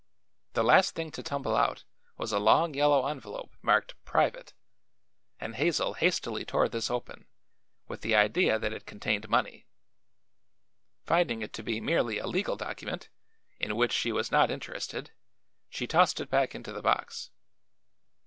The last thing to tumble out was a long yellow envelope marked 'Private,' and Hazel hastily tore this open, with the idea that it contained money. Finding it to be merely a legal document, in which she was not interested, she tossed it back into the box.